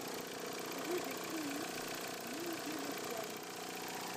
Rue des Cohues, Villedieu-les-Poêles